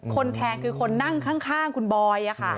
แทงคือคนนั่งข้างคุณบอย